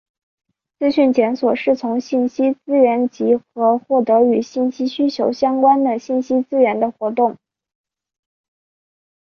资讯检索是从信息资源集合获得与信息需求相关的信息资源的活动。